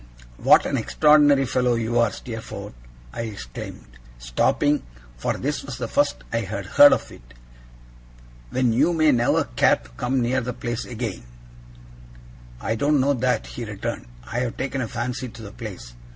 'What an extraordinary fellow you are, Steerforth!' I exclaimed, stopping for this was the first I had heard of it. 'When you may never care to come near the place again!' 'I don't know that,' he returned. 'I have taken a fancy to the place.